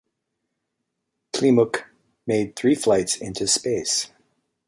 Klimuk made three flights into space.